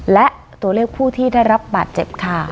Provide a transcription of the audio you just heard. และตัวเลขผู้ที่ได้รับบาดเจ็บค่ะ